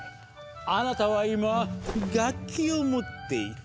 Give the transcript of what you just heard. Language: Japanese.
あなたは今楽器を持っている。